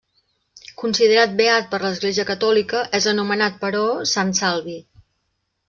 Considerat beat per l'Església catòlica, és anomenat però, Sant Salvi.